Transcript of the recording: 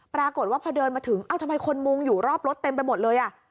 ปรากฏว่าพอเดินมาถึงเอ้าทำไมคนมุงอยู่รอบรถเต็มไปหมดเลยอ่ะ